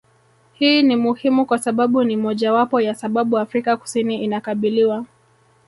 Hii ni muhimu kwa sababu ni mojawapo ya sababu Afrika kusini inakabiliwa